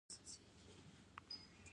ایا پوهیږئ چې فشار څه دی؟